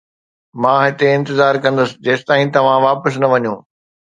مان هتي انتظار ڪندس جيستائين توهان واپس نه وڃو